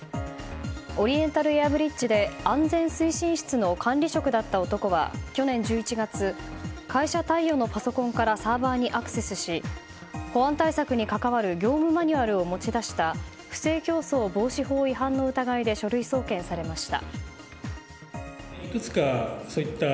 オリエンタルエアブリッジで安全推進室の管理職だった男は去年１１月会社貸与のパソコンからサーバーにアクセスし保安対策に関わる業務マニュアルを持ち出した不正競争防止法違反の疑いで書類送検されました。